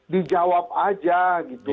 dijawab aja gitu